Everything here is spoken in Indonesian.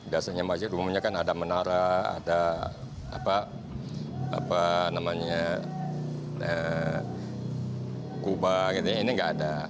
biasanya masjid umumnya kan ada menara ada kuba ini nggak ada